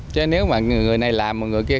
chứ nếu mà người này làm người kia không